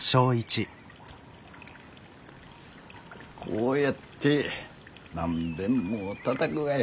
こうやって何べんもたたくがやわ。